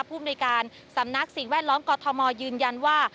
ภูมิในการสำนักสิ่งแวดล้อมกอทมยืนยันว่า